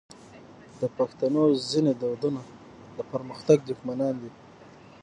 د پښتنو ځینې دودونه د پرمختګ دښمنان دي.